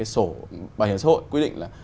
sổ bảo hiểm xã hội quy định là